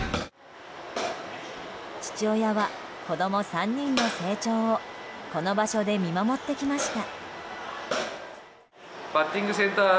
父親は子供３人の成長をこの場所で見守ってきました。